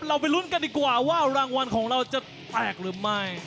เราก็ลุ้นก่อนเป็นว่ารางวัลของเราจะแตกหรือไม่